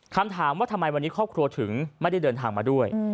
คำถามว่าทำไมวันนี้ครอบครัวถึงไม่ได้เดินทางมาด้วย